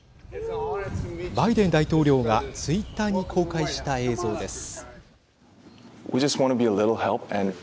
バイデン大統領がツイッターに公開した映像です。